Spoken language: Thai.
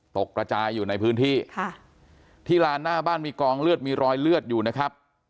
กระจายอยู่ในพื้นที่ค่ะที่ลานหน้าบ้านมีกองเลือดมีรอยเลือดอยู่นะครับ